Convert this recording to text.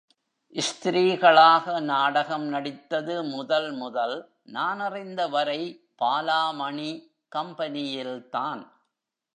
ஸ்திரீகளாக நாடகம் நடித்தது முதல் முதல், நானறிந்தவரை பாலாமணி கம்பெனியில்தான்.